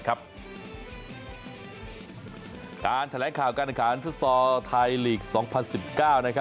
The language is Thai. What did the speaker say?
การแถลงข่าวการอำนาจฝูกซอลไทยหลีก๒๐๑๙